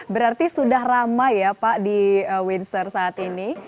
berarti sudah ramai ya pak di windsor saat ini